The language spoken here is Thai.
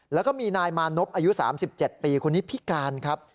แล้วก็มีนายมานพอายุ๓๗ปีคนนี้พิการครับ